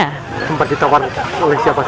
sempat ditawarkan oleh siapa saja